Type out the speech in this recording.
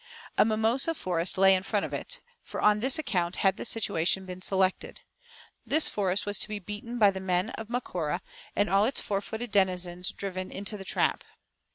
A mimosa forest lay in front of it, for on this account had the situation been selected. This forest was to be "beaten" by the men of Macora, and all its four footed denizens driven into the trap.